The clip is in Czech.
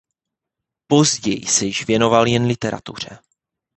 Později se již věnoval jen literatuře.